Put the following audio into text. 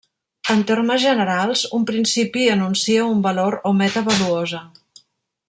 En termes generals un principi enuncia un valor o meta valuosa.